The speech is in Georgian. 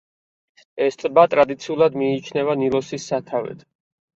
ეს ტბა ტრადიციულად მიიჩნევა ნილოსის სათავედ.